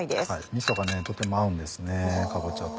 みそがとても合うんですねかぼちゃと。